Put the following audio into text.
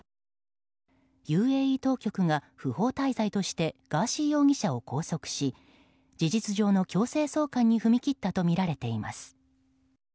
ＵＡＥ当局が不法滞在としてガーシー容疑者を拘束し事実上の強制送還に踏み切ったとみられています。